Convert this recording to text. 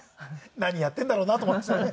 何やっているんだろうなと思いましたね。